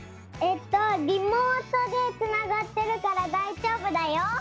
えっとリモートでつながってるからだいじょうぶだよ。